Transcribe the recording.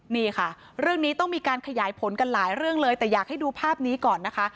นี่ค่ะเรื่องนี้ต้องมีการขยายผลกันหลายเรื่องเลยแต่อยากให้ดูภาพนี้ก่อนนะคะ